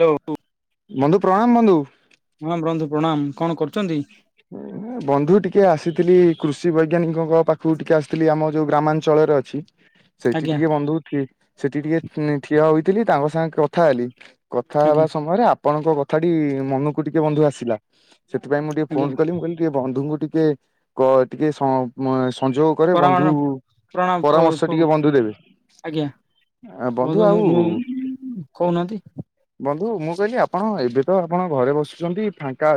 Hello ବନ୍ଧୁ ପ୍ରଣାମ ବନ୍ଧୁ। ହଁ ବନ୍ଧୁ ପ୍ରଣାମ କଣ କରୁଚନ୍ତି? ବନ୍ଧୁ ଟିକେ ଆସିଥିଲି କୃଷି ବୈଜ୍ଞାନିକଙ୍କ ପାଖକୁ ଟିକେ ଆସିଥିଲି ଆମ ଯୋଉ ଗ୍ରାମାଞ୍ଚଳ ରେ ଅଛି। ସେଠି ଆଜ୍ଞା ଟିକେ ବନ୍ଧୁ କିଏ ସେଠି ଟିକେ ଠିଆ ହୋଇଥିଲି ତାଙ୍କ ସାଙ୍ଗେ କଥା ହେଲି। କଥା ହେବା ଆଜ୍ଞା ସମୟରେ ଆପଣଙ୍କ କଥାଟି ମନକୁ ଟିକେ ବନ୍ଧୁ ଆସିଲା ସେଥିପାଇଁ ମୁଁ ଟିକେ ଆଜ୍ଞା ଫୋନ୍ କଲି ମୁଁ କହିଲି ଟିକେ ବନ୍ଧୁଙ୍କୁ ଟିକେ କ ଟିକେ ସ ମ ସଂଯୋଗ କରେ ପ୍ରଣାମ ବନ୍ଧୁ ପ୍ରଣାମ ପ ପ ପରାମର୍ଶ ଟିକେ ବନ୍ଧୁ ଦେବେ। ଆଜ୍ଞା ବନ୍ଧୁ ମୁଁ ଆଉ ମୁଁ କହୁନାହାନ୍ତି? ବନ୍ଧୁ ମୁଁ କହିଲି ଆପଣ ଏବେ ତ ଆପଣ ଘରେ ବସୁଛନ୍ତି ଫାଙ୍କା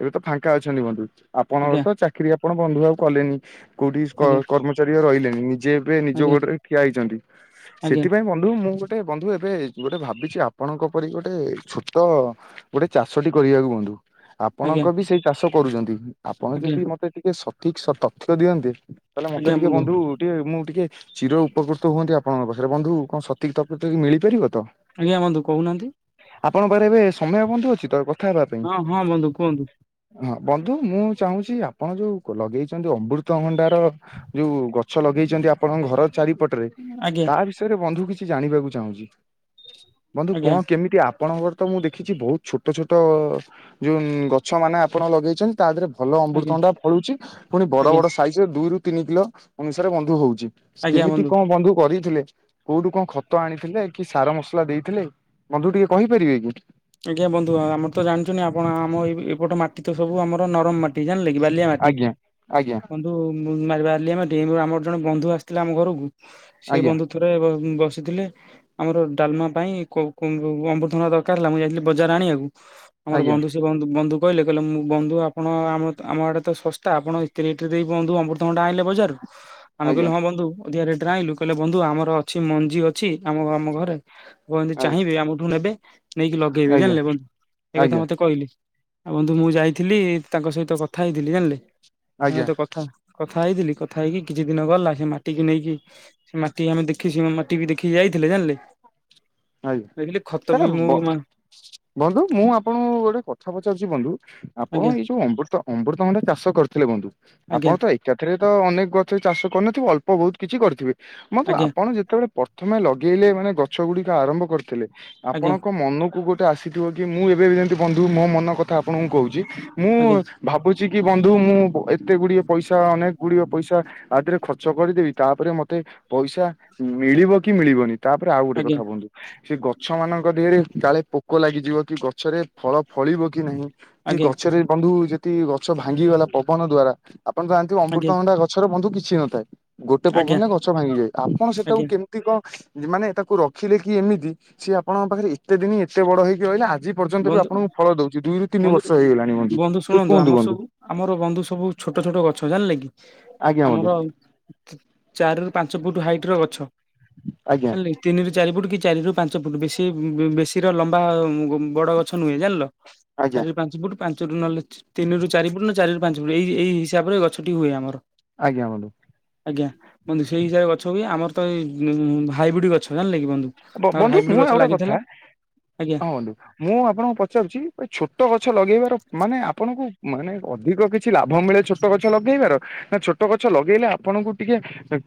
ଏବେ ତ ଫାଙ୍କା ଅଛନ୍ତି ବନ୍ଧୁ ଆପଣଙ୍କର ଆଜ୍ଞା ତ ଚାକିରି ଆପଣ ବନ୍ଧୁ ଆଉ କଲେନି କୋଉଠି କ ଆଜ୍ଞା କର୍ମଚାରୀ ଆଉ ରହିଲେନି। ଯେ ଏବେ ନିଜ ଆଜ୍ଞା ଗୋଡରେ ଠିଆ ହେଇଛନ୍ତି ଆଜ୍ଞା ସେଥିପାଇଁ ବନ୍ଧୁ ମୁଁ ଗୋ ଗୋଟେ ବନ୍ଧୁ ଏବେ ଗୋଟେ ଭାବିଛି ଆପଣଙ୍କ ପରି ଗୋଟେ ଛୋଟ ଗୋଟେ ଚାଷଟି କରିବାକୁ ବନ୍ଧୁ। ଆଜ୍ଞା ଆପଣଙ୍କ ବି ସେଇ ଚାଷ କରୁଛନ୍ତି ଆପଣ ଆଜ୍ଞା ଯଦି ମତେ ଟିକେ ସଠିକ ସତ ତଥ୍ୟ ଦିଅନ୍ତେ। ତାହେଲେ ମତେ ଟିକେ ବନ୍ଧୁ ଟିକେ ମୁଁ ଟିକେ ଚିର ଉପକୃତ ହୁଅନ୍ତି ଆପଣଙ୍କ ପା ଆରେ ବନ୍ଧୁ କଣ ସଠିକ୍ ତଥ୍ୟ ମିଳିପାରିବ ତ? ଆଜ୍ଞା ବନ୍ଧୁ କହୁନାହାନ୍ତି? ଆପଣଙ୍କ ପାଖରେ ଏବେ ସମୟ ବନ୍ଧୁ ଅଛି ତ ପ ହଁ ହଁ ବନ୍ଧୁ କୁହନ୍ତୁ। ହଁ ବନ୍ଧୁ ମୁଁ ଚାହୁଁଛି ଆପଣ ଯୋଉ କ ଲଗେଇଛନ୍ତି ଅମୃତଭଣ୍ଡାର ଯୋଉ ଗ ଗଛ ଲଗେଇଛନ୍ତି ଆପଣଙ୍କ ଘର ଚାରିପଟରେ ଆଜ୍ଞା ତା ବିଷୟରେ ବନ୍ଧୁ କିଛି ଜାଣିବାକୁ ଚାହୁଁଛି ବନ୍ଧୁ କଣ ଆଜ୍ଞା କେମିତି ଆ ଆପଣଙ୍କର ତ ମୁଁ ଦେଖିଛି ବହୁତ ଛୋଟ ଛୋଟ ଯୋଉ ଗଛ ମାନେ ଆପଣ ଲଗେଇଛନ୍ତି ତା ଦେହରେ ଭଲ ଆଜ୍ଞା ଅମୃତଭଣ୍ଡା ଫଳୁଛି ପୁଣି ବଡ ଆଜ୍ଞା ବଡ ସାଇଜ ଦୁ ରୁ ତିନି କିଲୋ ଅନୁସାରେ ବନ୍ଧୁ ହଉ କେମିତି କଣ ବନ୍ଧୁ କରି ଥିଲେ କୋଉଠୁ କଣ ଖତ ଆଣିଥିଲେ କି ସାର ମସଲା ଦେଇଥିଲେ ବନ୍ଧୁ ଟିକେ କହିପାରିବେ କି? ଆଜ୍ଞା ବନ୍ଧୁ ଆମର ତ ଜାଣିଛନ୍ତି ଆପଣ ଆମ ଏ ଏପଟ ମାଟି ତ ସବୁ ଆମର ନରମ ମାଟି ଜାଣିଲେ କି? ବାଲିଆ ମାଟି ଆଜ୍ଞା ଆଜ୍ଞା ବନ୍ଧୁ ବା ବାଲିଆ ମାଟି କିନ୍ତୁ ଆମର ଜଣେ ବନ୍ଧୁ ଆସିଥିଲେ ଆମ ଘରକୁ ସେ ଆଜ୍ଞା। ବନ୍ଧୁ ଥରେ ଉଁ ବସିଥିଲେ ଆମର ଡାଲମା ପାଇଁ କୋ କୋ ଅମୃତଭଣ୍ଡା ଦରକାର ହେଲା ମୁଁ ଯାଇଥିଲି ବଜାର ଆଣିବାକୁ ଆମର ଆଜ୍ଞା। ବନ୍ଧୁ ସେ ବନ୍ଧୁ ବନ୍ଧୁ କହିଲେ କହିଲେ ମୁଁ ବନ୍ଧୁ ଆପଣ ଆମ ଆମ ଆଡ଼େ ତ ଶସ୍ତା ଆପଣ ଏତେ ରେଟ୍ ଦେଇ ବନ୍ଧୁ ଅମୃତ ଭଣ୍ଡା ଆଣିଲେ ବଜାରରୁ। ଆମେ ଆଜ୍ଞା କହିଲୁ ହଁ ବନ୍ଧୁ ଅଧିକା ରେଟରେ ଆଣିଲୁ କହିଲେ ବନ୍ଧୁ ଆମର ଅଛି ମଞ୍ଜି ଅଛି ଆମ ଆମ ଘରେ। କୁହନ୍ତୁ ଆଜ୍ଞା। ଚାହିଁବେ ଆମଠୁ ନେବେ ନେଇକି ଲଗେଇବେ ଆଜ୍ଞା ଜାଣିଲେ ବନ୍ଧୁ ଏ କଥା ଆଜ୍ଞା ମତେ କହିଲେ। ଆଉ ବନ୍ଧୁ ମୁଁ ଯାଇଥିଲି ତାଙ୍କ ସହିତ କଥା ହେଇଥିଲି ଜାଣିଲେ ତାଙ୍କ ଆଜ୍ଞା ସହିତ କଥା କଥା ହେଇଥିଲି କଥା ହେଇକି କିଛି ଦିନ ଗଲା ସେ ମାଟି କି ନେଇକି ସେ ମାଟି ଆମେ ଦେଖି ମାଟି ବି ଦେଖିକି ଯାଇଥିଲେ ଜାଣିଲେ। ଆଜ୍ଞା ଦେଖିଲେ ଖତ ତାହେଲେ ବି ମୁଁ ବ ମା ବନ୍ଧୁ ମୁଁ ଆପଣଙ୍କୁ ଗୋଟେ କଥା ପଚାରୁଛି ବନ୍ଧୁ ଆପଣ ଆଜ୍ଞା ଏଇ ଯୋଉ ଅମୃତ ତ ଅମୃତଭଣ୍ଡା ଚାଷ କରିଥିଲେ ବନ୍ଧୁ ଆପଣ ଆଜ୍ଞା ତ ଏକାଥରେ ତ ଅନେକ ଗଛ ଚାଷ କରିନଥିବ ଅଳ୍ପ ବହୁତ କିଛି କରିଥିବେ ବନ୍ଧୁ ଆଜ୍ଞା ଆପଣ ଯେତେବେଳେ ପ୍ରଥମେ ଲଗେଇଲେ ମାନେ ଗଛ ଗୁଡିକ ଆରମ୍ଭ କରିଥିଲେ। ଆଜ୍ଞା ଆପଣଙ୍କ ମନକୁ ଗୋଟେ ଆସିଥିବ କି ମୁଁ ଏବେ ବି ଯେମିତି ବନ୍ଧୁ ମୋ ମନ କଥା ଆପଣଙ୍କୁ କହୁଛି ମୁଁ ଆଜ୍ଞା ଭାବୁ ଛି କି ବନ୍ଧୁ ମୁଁ ଏତେ ଗୁଡିଏ ପଇସା ଅନେକ ଗୁଡିଏ ପଇସା ଇଆଥିରେ ଖର୍ଚ୍ଚ କରିଦେବି ତାପରେ ମତେ ପଇସା ମିଳିବ କି ମିଳିବନି ତାପରେ ଆଉ ଗୋଟେ କ ଆଜ୍ଞା ନ୍ଧୁ ସେ ଗଛ ମାନଙ୍କ ଦିହରେ କାଳେ ପୋକ ଲାଗିଯିବ କି ଗଛରେ ଫଳ ଫଳିବ କି ନାହିଁ। କି ଆଜ୍ଞା ଗଛରେ ବନ୍ଧୁ ଯେତିି ଗଛ ଭାଙ୍ଗିଗଲା ପବନ ଦ୍ଵାରା ଆପଣ ତ ଜାଣିଥିବେ ଆଜ୍ଞା ଅମୃତଭଣ୍ଡା ଗଛାରେ ବନ୍ଧୁ କିଛି ନ ଥାଏ। ଗୋଟେ ଆଜ୍ଞା ପବନରେ ଗଛ ଭାଙ୍ଗିଯାଏ ଆପଣ ସେଟାକୁ ଆଜ୍ଞା କେମିତି କଣ ମାନେ ତାକୁ ର ଦେଖିଲେ କି ଏମିତି ସିଏ ଆପଣଙ୍କ ପାଖରେ ଏତେ ଦିନି ଏତେ ବଡ ହେଇକି ରହିଲା? ଯେ ପର୍ଯ୍ୟନ୍ତ ବି ବନ୍ଧୁ ଆପଣଙ୍କୁ ଫଳ ଦଉଛି ଦୁଇରୁ ତିନି ବନ୍ଧୁ ବର୍ଷ ହେଇଗଲାଣି ବନ୍ଧୁ ଏ ଶୁଣନ୍ତୁ କୁହନ୍ତୁ ଆମର ବନ୍ଧୁ? ସବୁ ଆମର ବନ୍ଧୁ ସବୁ ଛୋଟ ଛୋଟ ଗଛ ଜାଣିଲେ କି ଆଜ୍ଞା ବନ୍ଧୁ ଆମର ଚା ଚାରିରୁ ପାଞ୍ଚ ଫୁଟ ହାଇ ଟିର ଗଛ ଆଜ୍ଞା ଜାଣିଲେ କି ତିନି ଚାରି ଫୁଟ କି ଚାରି ରୁ ପାଞ୍ଚ ଫୁଟ ବେଶୀ ବେଶୀ ର ଲମ୍ବା ଅ ବଡ ଗଛ ନୁହେଁ ଜାଣିଲ। ଆଜ୍ଞା ଚାରି ପାଞ୍ଚ ଫୁଟୁ। ପାଞ୍ଚରୁ ନହଲେ ତିନିରୁ ଚାରି ଫୁଟ୍ ନା ଚାରିରୁ ପାଞ୍ଚ ଫୁଟୁ ଏଇ ଏଇ ହିସାବରେ ଗଛଟି ହୁଏ ଆମର ଆଜ୍ଞା ବନ୍ଧୁ। ଆଜ୍ଞା ବନ୍ଧୁ ସେଇ ହିସାବରେ ଗଛ ହୁଏ ଆମର ତ ଭାଇବୁଡି ଗଛ ଜାଣିଲେ କି ବନ୍ଧୁ। ବ ତାଙ୍କର ବନ୍ଧୁ ହାଇବ୍ରିଡ ମୁଁ ଗଛ ଆଉ ଗୋଟେ କଥା ଲାଗିଥିଲା ଆଜ୍ଞା। ହଁ ବନ୍ଧୁ। ମୁଁ ଆପଣଙ୍କୁ ପଚାରୁଛି ଏ ଛୋଟ ଗଛ ଲଗେଇବାର ମାନେ ଆପଣଙ୍କୁ ମାନେ ଅଧିକ କିଛି ଲାଭ ମିଳେ। ଛୋଟ ଗଛ ଲଗେଇବାର ନା ଛୋଟ ଗଛ ଲଗେଇଲେ ଆପଣଙ୍କୁ ଟିକେ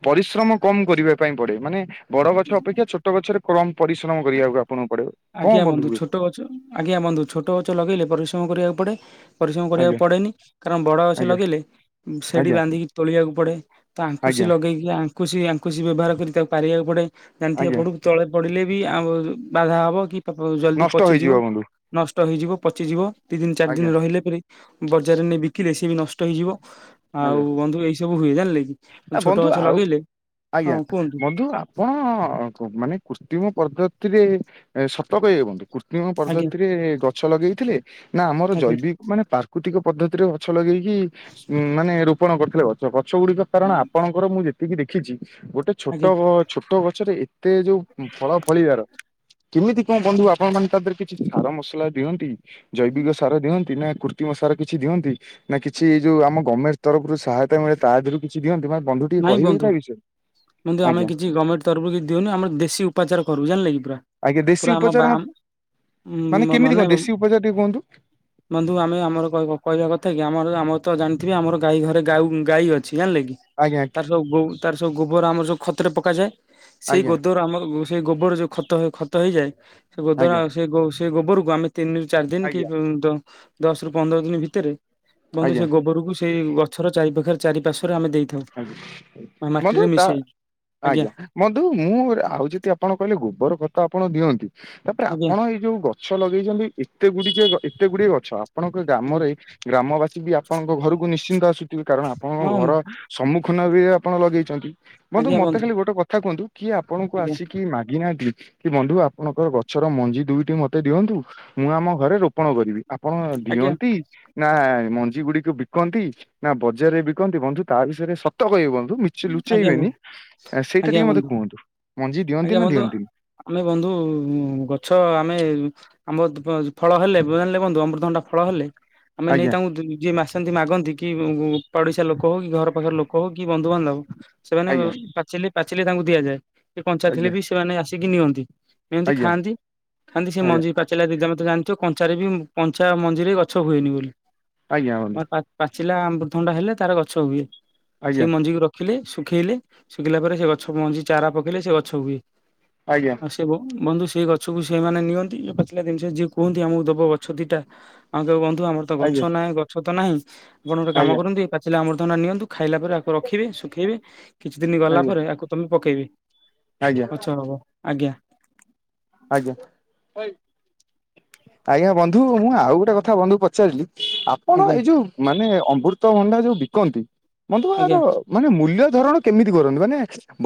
ପରିଶ୍ରମ କମ କରିବା ପାଇଁ ପଡ଼ିବ। ମାନେ ବଡ଼ ଗଛ ଅପେକ୍ଷା ଛୋଟ ଗଛରେ କମ ପରିଶ୍ରମ କରିବାକୁ ଆପଣଙ୍କୁ ପଡିବ କଣ ଆଜ୍ଞା ବନ୍ଧୁ ହୁଏ ଛୋଟ ଗଛ ଆଜ୍ଞା ବନ୍ଧୁ ଛୋଟ ଗଛ ଲଗେଇଲେ ପରିଶ୍ରମ କରିବାକୁ ପଡ଼େ। ପରିଶ୍ରମ କରିବାକୁ ଆଜ୍ଞା ପଡ଼େନି କାରଣ ବଡ଼ ଗଛ ଆଜ୍ଞା ଲଗେଇଲେ ସେଠି ଆଜ୍ଞା ବାନ୍ଧିକି ତୋଳିବାକୁ ପଡ଼େ ତ ଆଙ୍କୁ ଙ୍କୁସୀ ଆଜ୍ଞା ଲଗେଇକି ଆଙ୍କୁସି ଆଙ୍କୁୁସିି ବ୍ୟବହାର କରି ତାକୁ ପାରିବାକୁ ପଡ଼େ ଜାଣିିଥିବେ ଆଜ୍ଞା ପଡ଼ୁ ତଳେ ପଡ଼ିଲେ ବି ଆଉ ବାଧା ହେବ କି ଜଲ୍ଦି ନଷ୍ଟ ହେଇଯିବ ପଚିଯିବ ବନ୍ଧୁ ନଷ୍ଟ ହେଇଯିବ ପଚିଯିବ। ଦି ଦିନ ଚାରି ଆଜ୍ଞା ଦିନ ରହିଲେ ପରେ ବଜାରରେ ନେଇ ବିକିଲେ ସିଏ ବି ନଷ୍ଟ ହେଇଯିବ ଆଉ ଆଜ୍ଞା ବନ୍ଧୁ ଏଇ ସ ସବୁ ହୁଏ ଜାଣିଲେ କି ଆ ଛୋଟ ବନ୍ଧୁ ଗଛ ଆଉ ଲଗେଇଲେ। ହଁ ଆଜ୍ଞା କୁହନ୍ତୁ ବନ୍ଧୁ ଆପଣ ମାନେ କୃତ୍ରିମ ପଦ୍ଧତିରେ ଏ ସତ କହିବେ ବନ୍ଧୁ। କୃତ୍ରିମ ଆଜ୍ଞା ପଦ୍ଧତିରେ ଗଛ ଲଗେଇଥିଲେ ନା ଆମର ଆଜ୍ଞା ଜୈବିକ ମାନେ ପ୍ରାକୃତିକ ପଦ୍ଧତିରେ ଗଛ ଲଗେଇକି ଉ ମାନେ ରୋପଣ କରିଥିଲେ ଗଛ ଗଛ ଗୁଡ଼ିକ କାରଣ ଆପଣଙ୍କର ମୁଁ ଯେ ତିକି ଦେଖିଛି ଗୋଟେ ଛୋଟ ଆଜ୍ଞା ଛୋଟ ଗଛରେ ଏତେ ଯୋଉ ଫଳ ଫଳିବାର କେମିତି କଣ ବନ୍ଧୁ ଆପଣ ମାନ ତାଦେହରେ କିଛି ସାର ମସଲା ଦିଅନ୍ତି ଜୈବିକ ସାର ଦିଅନ୍ତି। ନା କୁର୍ତ୍ତୀ ମସାର କିଛି ଦିଅନ୍ତି ନା କିଛି ଯୋଉ ଆମ ଗମେଣ୍ଟ ତରଫରୁ ସହାୟତା ମିଳେ ତା ଦେହରୁ କିଛି ଦିଅନ୍ତି ବା ନାଇଁ ବନ୍ଧୁ ବନ୍ଧୁ ଆମେ ଆଜ୍ଞା। କିଛି ଗମେଣ୍ଟ ତରଫରୁ କି ଦିଉନୁ ଆମର ଦେଶୀ ଉପଚାର କରୁ ଜାଣିଲେ କି? ପୁର ଆଜ୍ଞା ଦେଶୀ ପୁରା ଆମ ବା ଉପଚାର ମା ମା କେମିତି ମାନେ କଣ ଦେଶୀ ଉପଚାର ଟିକେ କୁହନ୍ତୁ ବନ୍ଧୁ ଆମେ ଆମର କହିବା କହିବା କଥା କି ଆମର ଆମ ତ ଜାଣିଥିବି ଆମର ଗାଈ ଘରେ ଗାଉ ଗାଈ ଅଛି ଜାଣିଲେ କି ଆଜ୍ଞା ତାର ସବୁ ଗୋ ତାର ସବୁ ଗୋବର ଆମର ଯେଉଁ ଖତରେ ପକାଯାଏ ସେଇ ଆଜ୍ଞା ଗୋଦର ଗୋବର ଆମର ସେଇ ଗୋବର ଯେଉଁ ଖତ ଖତ ହେଇଯାଏ। ସେ ଗୋଦର ଆଜ୍ଞା ସେ ସେ ଗୋବରକୁ ଆମେ ତିନିରୁ ଚାରି ଦିନ ଆଜ୍ଞା କି ଦଶ ରୁ ପନ୍ଦର ଦିନ ଭିତରେ ବନ୍ଧୁ ଆଜ୍ଞା ସେ ଗୋବରକୁ ସେଇ ଗଛର ଚାରି ପାଖରେ ଚାରି ପାଶ୍ୱରେ ଆମେ ଦେଇ ଆଜ ବନ୍ଧୁ ତା ଆଜ୍ଞା ବନ୍ଧୁ ମୁଁ ଆଉ ଯଦି ଆପଣ କହିଲେ ଗୋବର ଖତ ଆପଣ ଦିଅନ୍ତି। ତାପରେ ଆଜ୍ଞା ଆପଣ ଏଇ ଯୋଉ ଗଛ ଲଗେଇଛନ୍ତି ଏତେ ଗୁଡ଼ିଚେ ଗୁଡ଼ିକେ ଏତେ ଗୁଡ଼ିଏ ଗଛ ଆପଣଙ୍କ ଆଜ୍ଞା ଗ୍ରାମରେ ଗ୍ରାମବାସୀ ବି ଆପଣଙ୍କ ଘରକୁ ନିଶ୍ଚିନ୍ତ ଆସୁଥିବେ କାରଣ ଆପଣଙ୍କ ଘର ହଁ ସମ୍ମୁଖୀନ ବି ଆପଣ ଲଗେଇଛନ୍ତି। ବନ୍ଧୁ ମତେ ଖାଲି ଗୋଟେ କଥା କୁହନ୍ତୁ କିଏ ଆପଣଙ୍କୁ ଆଜ୍ଞା। ଆସିକି ମାଗିନାହାନ୍ତି। କି ବନ୍ଧୁ ଆପଣଙ୍କର ଗଛର ମଞ୍ଜି ଦୁଇଟି ମତେ ଦିଅନ୍ତୁ ମୁଁ ଆମ ଘରେ ରୋପଣ କରିବି। ଆପଣ ଆଜ୍ଞା ଦିଅନ୍ତି ନା ମଞ୍ଜି ଗୁଡ଼ିକୁ ବିକନ୍ତି ନା ବଜାରରେ ବିକନ୍ତି ବନ୍ଧୁ। ତା ବିଷୟରେ ସତ କହିବ ବ ଧୁ ମିଚି ଆଜ୍ଞା ବ ଲୁଚେଇବେନି ସେଇଟା ଆଜ୍ଞା ଟିକେ ମତେ ବନ୍ଧୁ କୁହନ୍ତୁ ମଞ୍ଜି ଦିଅନ୍ତି ଆଜ୍ଞା ନା ବନ୍ଧୁ ଦିଅନ୍ତିନି। ଆମେ ବନ୍ଧୁ ଗଛ ଆମେ ଆମର ଦ ଫଳ ହେଲେ ହେଲେ ବନ୍ଧୁ ଅମୃତଭଣ୍ଡା ଫଳ ହେଲେ। ଆମେ ନେଇ ଆଜ୍ଞା ତାଙ୍କୁ ଯିଏ ମାସନ୍ତି ମାଗନ୍ତି କି ପଡ଼ିଶିଆ ଲୋକ ହଉ କି ଘର ପାଖରେ ଲୋକ ହଉ କି ବନ୍ଧୁବାନ୍ଧବ ସେମାନେ ଆଜ୍ଞା ପାଚିଲେ ପା ଚିଲେ ତାଙ୍କୁ ଦିଆଯାଏ ସେ କଞ୍ଚାଥିଲେ ଆଜ୍ଞା ବି ସେମାନେ ଆସିକି ନିଅନ୍ତି। ଏମିତି ଆଜ୍ଞା ଖାଆନ୍ତି ଖାନ୍ତି ସେ ଆଜ୍ଞା ମଞ୍ଜି ପାଚାରିଲା ଦିଦା ମତେ ଜାଣିଥିବ କଞ୍ଚା ରେ ବି ପଞ୍ଚା ମଞ୍ଜିରେ ଗଛ ହୁଏନି ବୋଲି। ଆଜ୍ଞା ବନ୍ଧୁ। ପାଚିଲା ଅମୃତଭଣ୍ଡା ହେଲେ ତାର ଗଛ ହୁଏ ସେଇ ଆଜ୍ଞା ମଞ୍ଜିକୁ ର ଖି ଶୁଖେଇଲେ ଶୁଖିଲା ପରେ ସେ ଗଛ ମଞ୍ଚି ଚାରା ପକେଇଲେ ସେ ଗଛ ହୁଏ। ଆଜ୍ଞା ଆ ସେବ ବନ୍ଧୁ ସେ ସେଇ ଗଛକୁ ସେମାନେ ନିଅନ୍ତି ଯୋଉ ପାଚିଲା ଜିନିଷ ଯିଏ କୁହନ୍ତି ଆମକୁ ଦବ ଗଛ ଦିଟା ଆମେ ତାକୁ ଧୁ ଆମର ତ ଗଛ ଆଜ୍ଞା ନାହିଁ ଗଛ ତ ନାହିଁ ଆପଣ ଗୋଟେ କାମ ଆଜ୍ଞା କରନ୍ତୁ ଏଇ ପାଚିଲା ଅମୃତଭଣ୍ଡା ନିଅନ୍ତୁ। ଖାଇଲା ପରେ ଆକୁ ରଖିବେ ଶୁଖେଇବେ କିଛି ଦିନ ଗଲା ଆଜ୍ଞା ପରେ ଏହାକୁ ତମେ ପକେଇବେ। ଆଜ୍ଞା ଆଚ୍ଛା ହଉ ଆଜ୍ଞା। ଆଜ୍ଞା ଆଜ୍ଞା ବନ୍ଧୁ ମୁଁ ଆଉ ଗୋଟେ କଥା ବନ୍ଧୁ ପଚାରିଲି ଆପଣ ଆଜ୍ଞା ଏଇ ଯୋଉ ମାନେ ଅମୃତଭଣ୍ଡା ଯୋଉ ବିକନ୍ତି ବନ୍ଧୁ ଆର ଆଜ୍ଞା ମାନେ ମୂଲ୍ୟ ଧରଣ କେମିତି କରନ୍ତିୁ ମାନେ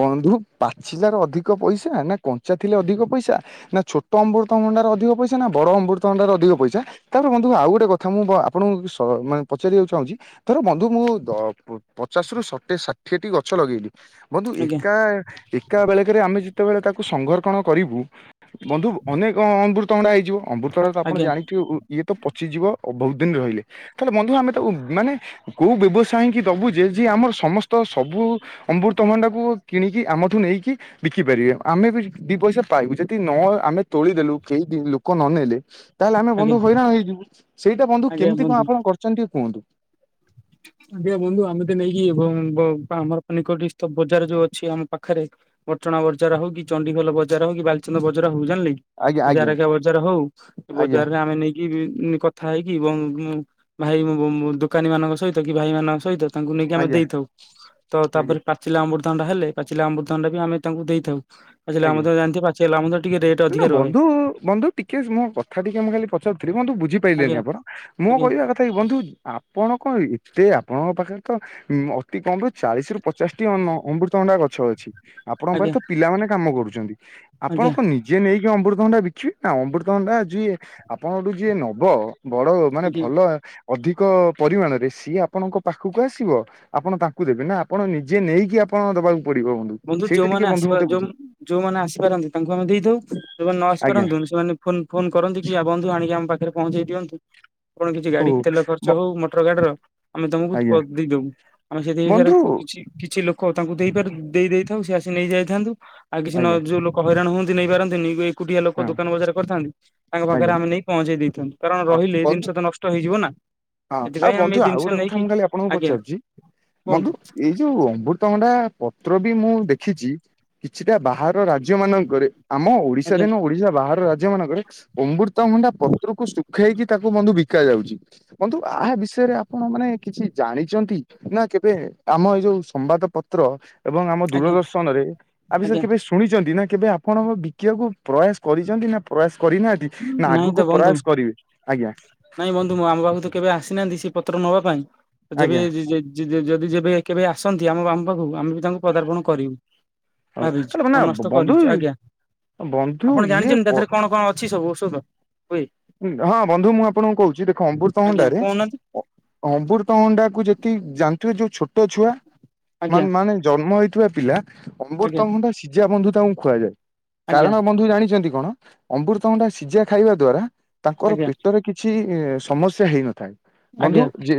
ବନ୍ଧୁ ପାଚିଲାରୁ ଅଧିକ ପଇସା ନା କଞ୍ଚା ଥିଲେ ଅଧିକ ପଇସା? ନା ଛୋଟ ଅମୃତଭଣ୍ଡାର ଅଧିକ ପଇସା ନା ବଡ ଅମୃତଭଣ୍ଡାର ଅଧିକ ପଇସା ତାପରେ ବନ୍ଧୁ ଆଉ ଗୋଟେ କଥା ମୁଁ ଆପଣଙ୍କୁ ମାନେ ପଚାରିବାକୁ ଚାହୁଁଛି ଧର ବନ୍ଧୁ ମୁଁ ପଚାଶରୁ ଏ ଷାଠିଏଟି ଗଛ ଲଗେଇଲି। ବନ୍ଧୁ ଆଜ୍ଞା ଏକା ଏକା ବେଳେକେରେ ଆମେ ଯେତେବେଳେ ତାକୁ ସଂଘର୍ଷଣ କରିବୁ। ବନ୍ଧୁ ଅନେକ ଅମୃତଭଣ୍ଡା ହେଇଯିବ ଅମୃତ ତ ଆପଣ ଆଜ୍ଞା ଜାଣିଥିବେ ଇଏ ତ ପଚିଯିବ ବହୁତ ଦିନ ରହିଲେ ତାହେଲେ ବନ୍ଧୁ ଆମେ ତ ମାନେ କୋଉ ବ୍ୟବସାୟ ଆଣିକି ଦବୁ ଯେ ଯିଏ ଆମର ସମସ୍ତ ସବୁ ଅମୃତଭଣ୍ଡାକୁ କିଣିକି ଆମଠୁ ନେଇକି ବିକି ପାରିବେ ଆମେ ବି ଦି ପଇସା ପାଇବୁ ଯଦି ନ ଆମେ ତୋଳିଦେଲୁ କେହି ଲୋକ ନନେଲେ ତାହେଲେ ଆମେ ଆଜ୍ଞା ବନ୍ଧୁ ହଇରାଣ ହେଇଯିବୁ ସେଇଟା ବନ୍ଧୁ କେମିତି କଣ ଆପଣ କରୁଛନ୍ତି ଟିକେ କୁହନ୍ତୁ? ଆଜ୍ଞା ବନ୍ଧୁ ଆମେ ତ ନେଇକି ଆମର ପା ନିକଟ ବଜାର ଯୋଉ ଅଛି ଆମ ପାଖରେ। ପାଟଣା ବଜାର ହଉ କି ଚଣ୍ଡିଖୋଲ ବଜାର ହଉ କି ବାଲଚନ୍ଦ ବଜାର ହଉ ଜାଣିଲେ ଆଜ୍ଞା କି ଆଜ୍ଞା ଜାରେକା ବଜାର ହଉ ଆଜ୍ଞା ବଜାରରେ ଆମେ ନେଇକି କଥା ହେଇ କି ଭାଇ ଦୋକାନୀ ମାନଙ୍କ ସହିତ କି ଭାଇମାନଙ୍କ ସହିତ ତାଙ୍କୁ ନେଇକି ଆମେ ଆଜ୍ଞା ଦେଇଥାଉ ତ ଆଜ୍ଞା ତାପରେ ପାଚିଲା ଅମୃତଭଣ୍ଡା ଟା ହେଲେ ପାଚିଲା ଅମୃତଭଣ୍ଡା ଟା ବି ଆମେ ତାଙ୍କୁ ଦେଇଥାଉ। ପାଚିଲା ଆଜ୍ଞା ଆମ୍ବ ତ ଜାଣିିଥିବେ ପାଚିଲା ଆମ୍ବ ତ ଟିକେ ରେଟ୍ ନା ଅଧିକା ରହେ ବନ୍ଧୁ ବନ୍ଧୁ ଟିକେ ମୋ କଥା ଟିକେ ମୁଁ ଖାଲି ପଚାରୁଥିଲି ବନ୍ଧୁ ବୁଝିପାରିଲନି ଆଜ୍ଞା ଆପଣ ମୁଁ ଆଜ୍ଞା କହିବା କଥାଟା ବନ୍ଧୁ ଆପଣ କଣ ସେ ଆପଣଙ୍କ ପାଖରେ ତ ଉ ଅତି କମ ରୁ ଚାଳିଶ ରୁ ପଚାଶ ଟି ଅମୃତଭଣ୍ଡା ଗଛ ଅଛି। ଆପଣଙ୍କ ପାଖରେ ଆଜ୍ଞା ତ ପିଲାମାନେ କାମ କରୁଛନ୍ତି ଆଜ୍ଞା ଆପଣଙ୍କ ନିଜେ ନେ ଦେଇକି ଅମୃତଭଣ୍ଡା ବିକିବେ ନା ଅମୃତଭଣ୍ଡା ଯିଏ ଆପଣଙ୍କ ଠାରୁ ଯିଏ ନବ ବଡ ମାନେ ଆଜ୍ଞା। ଭଲ ଅଧିକ ପରିମାଣରେ ସିଏ ଆପଣଙ୍କ ପାଖକୁ ଆସିବ ଆପଣ ତାଙ୍କୁ ଦେବେ ନା ଆପଣ ନିଜେ ନେଇକି ଆପଣ ଦେବାକୁ ପଡିବ ବନ୍ଧୁ ସେଇଟା ଟିକେ ଯୋଉମାନେ ବନ୍ଧୁ ଆସିପା ମତେ ଯୋଉ ବୁଝା ଯୋଉମାନେ ଆସିପାରନ୍ତି ତାଙ୍କୁ ଆମେ ଦେଇଥାଉ ଯୋଉମାନେ ନ ଆସି ଆଜ୍ଞା ପାରନ୍ତୁ ସେମାନେ ଫୋନ କରନ୍ତି ବନ୍ଧୁ ଆଣି ଆମ ପାଖରେ ପହଞ୍ଚେଇ ଦିଅନ୍ତି। କଣ କିଛି ଓ ଗାଡି ତେଲ ଖର୍ଚ୍ଚ ବ ହଉ ମଟର ଗାଡିର ଆମେ ତମକୁ ଆଜ୍ଞା। ଦେଇଦବୁ ଆମେ ସେଥିପାଇଁ ବନ୍ଧୁ ସେରାକୁ କିଛି କିଛି ଲୋକ କ ତାଙ୍କୁ ଦେଇପାରୁ ଦେଇଥାଉ ସେ ଆସି ନେଇ ଯାଇଥାନ୍ତୁ ଆଉ କିଛି ନ ଆଜ୍ଞା ଯୋଉ ଲୋକ ହଇରାଣ ହୁଅନ୍ତି ନେଇପାରନ୍ତି କୁଟିଆ ଲୋକ ହଁ ଦୋକାନ ବଜାର କରିଥାନ୍ତି ତାଙ୍କ ପାଖରେ ଆଜ୍ଞା ଆମେ ନେଇକି ପହଞ୍ଚେଇ ଦେଇଥାନ୍ତୁ କାରଣ ହଁ ରହିଲେ ବନ୍ଧୁ ଜିନିଷ ତ ନଷ୍ଟ ହେଇଯିବ ନା ହଁ ଆଉ ସେଥିପାଇଁ ଆମେ ବନ୍ଧୁ ଏ ଆଉ ଜିନିଷ ଗୋଟେ କଥା ନେଇକି ମୁଁ ଖାଲି ଆପଣଙ୍କୁ ଆଜ୍ଞା ପଚାରୁଛି ମଧୁ କୁହନ୍ତୁ ଏଇ ଯୋଉ ଅମୃତଭଣ୍ଡା ପତ୍ର ମୁଁ ଦେଖିଛି କିଛିଟା ବାହାର ରାଜ୍ୟ ମାନଙ୍କରେ ଆମ ଓଡିଶାରେ ଆଜ୍ଞା ନୁହଁ ଓଡ଼ିଶାର ବାହାର ରାଜ୍ୟ ମାନଙ୍କରେ ଅମୃତଭଣ୍ଡା ପତ୍ରକୁ ଶୁଖେଇକି ତାକୁ ବନ୍ଧୁ ବିକା ଯାଉଛି। ବନ୍ଧୁ ଆ ବିଷୟରେ ଆପଣ ମାନେ କିଛି ଜାଣିଛନ୍ତି ନା କେବେ ଆମ ଏଇ ଯୋଉ ସମ୍ବାଦ ପତ୍ର ଏବଂ ଆମ ଆଜ୍ଞା ଦୂରଦର୍ଶନ ରେ ଆ ଆଜ୍ଞା ବିଷୟରେ କେବେ ଶୁଣିଛନ୍ତି ନା କେବେ ଆପଣ ବିକିବାକୁ ପ୍ରୟାସ କରିଛନ୍ତି ନା ପ୍ରୟାସ କରିନାହାନ୍ତି ନା ନାଇଁ ତ ଆଗକୁ ବନ୍ଧୁ ପ୍ରୟାସ କରିବେ ଆଜ୍ଞା। ନାହାନ୍ତି ସେ ପତ୍ର ନବା ପାଇଁ ଯେବେ ଆଜ୍ଞା ଯଦି ଯେବେ କେବେ ଆସନ୍ତି ଆମ ବାମ ପାଖକୁ ଆମେ ବି ତାଙ୍କୁ ପଦାର୍ପଣ କରିବୁ। ହଉ ଭାବିଛୁ ତାହେଲେ ନା ବନସ୍ତ ବନ୍ଧୁ କରିଛୁ ଆଜ୍ଞା ବନ୍ଧୁ ଆପଣ ଇଏ ଜାଣିଛନ୍ତି ତା ପ ଦେହରେ କଣ କଣ ଅଛି? ସବୁ ଔଷଧ? ହୁଏ ହଁ ବନ୍ଧୁ ମୁଁ ଆପଣଙ୍କୁ କହୁଛି ଦେଖ ଆଜ୍ଞା ଅମୃତଭଣ୍ଡାରେ କହୁନାହାନ୍ତି ଅମୃତଭଣ୍ଡା କୁ ଯେତିିକି ଜାଣିଥିବେ ଯୋଉ ଛୋଟ ଛୋଟ ଛୁଆ ଆଜ୍ଞା ମା-ମାନେ ଜନ୍ମ ହେଇଥିବା ପିଲା ଅମୃତ ଆଜ୍ଞା ଭଣ୍ଡା ସିଜା ବନ୍ଧୁ ଙ୍କୁ ଖୁଆଯାଏ ଆଜ୍ଞା କାରଣ ବନ୍ଧୁ ଜାଣିଛନ୍ତି କଣ ଅମୃତଭଣ୍ଡା ସିଝା ଖାଇବା ଦ୍ଵାରା ତାଙ୍କର ଆଜ୍ଞା ପେଟରେ କିଛି ସମସ୍ୟା ହେଇନଥାଏ ଆଜ୍ଞା ବନ୍ଧୁ ଯେ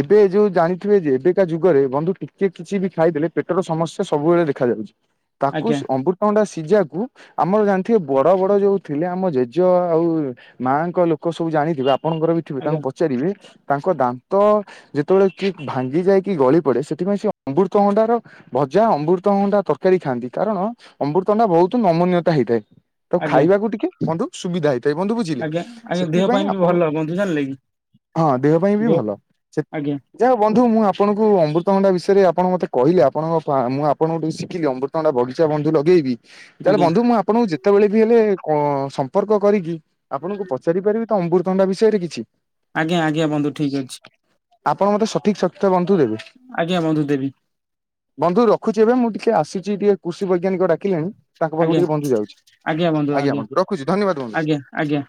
ଏବେ ଯୋଉ ଜାଣିଥିବେ ଯେ ଏବେକା ଯୁଗରେ ବନ୍ଧୁ ଟିକେ କିଛି ବି ଖାଇଦେଲେ ପେଟର ସମସ୍ୟା ସବୁବେଳେ ଦେଖାଯା ଯାଉଛି ତାକୁ ଆଜ୍ଞା ଅମୃତ ତଣ୍ଡା ସି ସିଜାକୁ ଆମର ଜାଣିଥିବେ ବଡ ବଡ ଯୋଉ ଥିଲେ ଆମ ଜେଜ ଆଉ ମାଆଙ୍କ ଲୋକ ସବୁ ଜାଣିଥିବେ ଆପଣଙ୍କର ବି ଥିବେ ଆଜ୍ଞା ଆଜ୍ଞା ତାଙ୍କୁ ପଚାରିବେ? ତାଙ୍କ ଦାନ୍ତ ଯେତେବେଳେ କି ଭାଙ୍ଗି ଯାଏ କି ଗଳି ପଡେ ସେଥିପାଇଁ ସେ ଅମୃତ ଭଣ୍ଡାର ଭ ଯା ଅମୃତଣ୍ଡା ତରକାରୀ ଖାଆନ୍ତି କାରଣ ଅମୃତଣ୍ଡା ବହୁତ ନମୁନୀୟତା ହେଇଥାଏ। ତାକୁ ଆଜ୍ଞା ଖାଇବାକୁ ଟିକେ ବନ୍ଧୁ ସୁବିଧା ହେଇଥାଏ ବନ୍ଧୁ ବୁଝିଲି ଆଜ୍ଞା ଦେହ ସେଥିପାଇଁ ପାଇଁ ବି ଆପଣ ଭଲ ବନ୍ଧୁ ଜାଣିଲେ କି ହଁ ଦେହ ପାଇଁ ବି ଭଲ ସେ ଆଜ୍ଞା ଯାହା ବନ୍ଧୁ ମୁଁ ଆପଣଙ୍କୁ ଅମୃତଭଣ୍ଡା ବିଷ ରେ ଆପଣ ମତେ କହିଲେ ଆପଣ ପା ମୁଁ ଆପଣଙ୍କଠୁ ଶିଖିଲି ଅମୃତଭଣ୍ଡା ବଗିଚା ବନ୍ଧୁ ଲଗେଇବି। ତାହେଲେ ଆଜ୍ଞା ବନ୍ଧୁ ମୁଁ ଆପଣଙ୍କୁ ଯେତେବେଳେ ବି ହେଲେ କ ସମ୍ପର୍କ କରିକି ଆପଣଙ୍କୁ ପଚାରି ପାରିବି ତ ଅମୃତଭଣ୍ଡା ବିଷୟରେ କିଛି? ଆଜ୍ଞା ଆଜ୍ଞା ବନ୍ଧୁ ଠିକ ଅଛି। ଆପଣ ମତେ ସଠିକ ସତ୍ୟ ବନ୍ଧୁ ଦେବେ। ଆଜ୍ଞା ବନ୍ଧୁ ଦେବି ବନ୍ଧୁ ରଖୁଛି ଏବେ ମୁଁ ଟିକେ ଆସୁଛି ଟିକେ କୃଷି ବୈଜ୍ଞାନିକ ଡାକିଲେଣି। ତାଙ୍କ ପାଖକୁ ଆଜ୍ଞା ଟିକେ ବନ୍ଧୁ ଯାଉଛି ଆଜ୍ଞା ବନ୍ଧୁ ରଖୁଛି ଧନ୍ୟବାଦ ବନ୍ଧୁ। ଆଜ୍ଞା ଆଜ୍ଞା